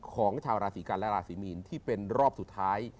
ของชาวราศีกันและราศีมีนที่เป็นรอบสุดท้าย